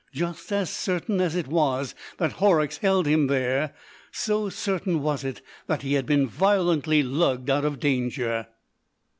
Just as certain as it was that Horrocks held him there, so certain was it that he had been violently lugged out of danger.